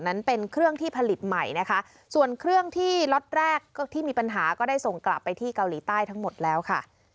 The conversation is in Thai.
นั้นเป็นเครื่องที่ผลิตใหม่นะคะส่วนเครื่องที่ล็อตแรกที่มีปัญหาก็ได้ส่งกลับไปที่เกาหลีใต้ทั้งหมดแล้วค่ะ